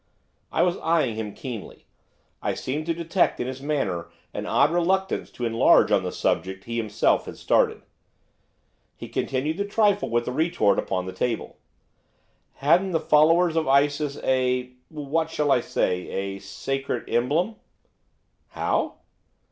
I was eyeing him keenly; I seemed to detect in his manner an odd reluctance to enlarge on the subject he himself had started. He continued to trifle with the retort upon the table. 'Hadn't the followers of Isis a what shall I say? a sacred emblem?' 'How?